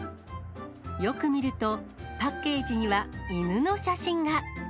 よく見ると、パッケージには犬の写真が。